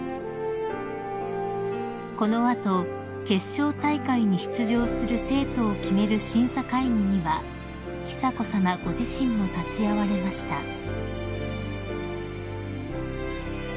［この後決勝大会に出場する生徒を決める審査会議には久子さまご自身も立ち会われました］